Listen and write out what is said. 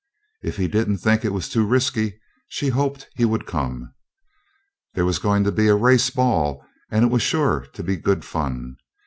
If he didn't think it was too risky, she hoped he'd come. There was going to be a race ball, and it was sure to be good fun.